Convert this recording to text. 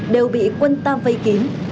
đều bị quân ta vây kín